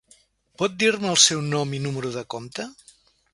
Pot dir-me el seu nom i número de compte?